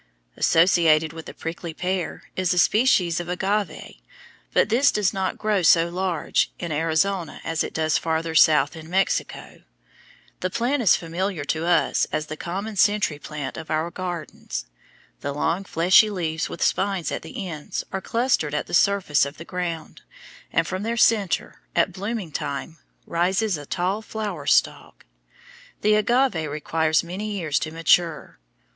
Associated with the prickly pear is a species of agave, but this does not grow so large in Arizona as it does farther south in Mexico. The plant is familiar to us as the common century plant of our gardens. The long fleshy leaves with spines at the ends are clustered at the surface of the ground, and from their centre, at blooming time, rises a tall flower stalk. The agave requires many years to mature.